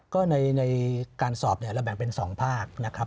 ก็ในการสอบเนี่ยเราแบ่งเป็น๒ภาคนะครับ